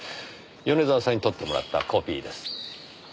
米沢さんに取ってもらったコピーです。